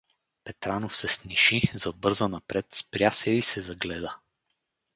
Петранов се сниши, забърза напред, спря се и се загледа.